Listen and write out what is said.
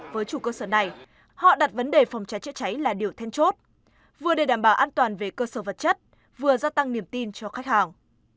với chủ cơ sở này họ đặt vấn đề phòng cháy chữa cháy là điều then chốt vừa để đảm bảo an toàn về cơ sở vật chất vừa gia tăng niềm tin cho khách hàng